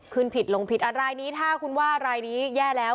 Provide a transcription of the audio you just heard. ผิดลงผิดอ่ะรายนี้ถ้าคุณว่ารายนี้แย่แล้ว